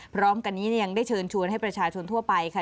พร้อมกันนี้ยังได้เชิญชวนให้ประชาชนทั่วไปค่ะ